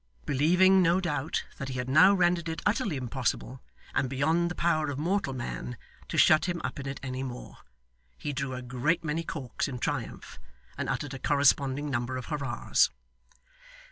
Believing, no doubt, that he had now rendered it utterly impossible, and beyond the power of mortal man, to shut him up in it any more, he drew a great many corks in triumph, and uttered a corresponding number of hurrahs.